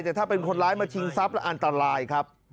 แต่ถ้าเป็นคนร้ายมาชิงทรัพย์แล้วอันตรายครับ